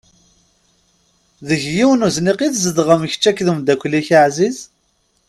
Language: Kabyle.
Deg yiwen uzniq i tzedɣem kečč akked umdakel-ik aɛziz?